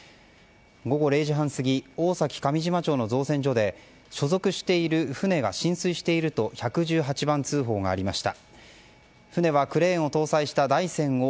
午後０時半過ぎ大崎上島町の造船所で所属している船が浸水していると１１８番通報がありました。